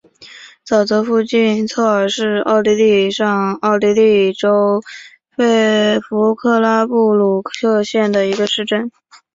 沼泽附近策尔是奥地利上奥地利州弗克拉布鲁克县的一个市镇。